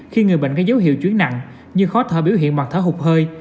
khi người bệnh có dấu hiệu chuyến nặng như khó thở biểu hiện mặc thở hụt hơi